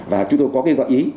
và chúng tôi có cái gợi ý